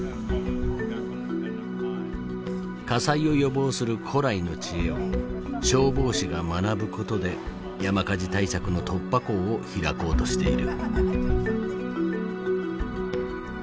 火災を予防する古来の知恵を消防士が学ぶことで山火事対策の突破口を開こうとしている。